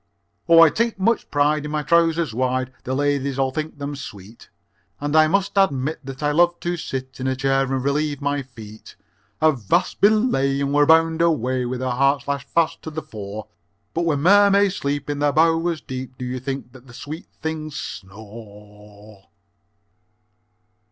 Oh, I take much pride in my trousers wide, The ladies all think them sweet, And I must admit that I love to sit In a chair and relieve my feet. Avast! Belay! and we're bound away With our hearts lashed fast to the fore, But when mermaids sleep In their bowers deep, Do you think that the sweet things snore?